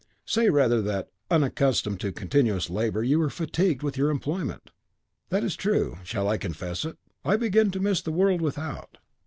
"Say, rather, that, unaccustomed to continuous labour, you were fatigued with your employment." "That is true. Shall I confess it? I began to miss the world without.